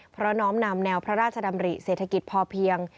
เพราะน้อมนำแนวพระราชดำริเศรษฐกิจพอเพียง